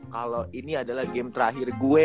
kalau ini adalah game terakhir gue